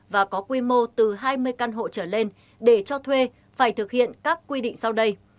và có quy mô từ hai mươi căn hộ trở lên để cho thuê phải thực hiện các quy định sau đây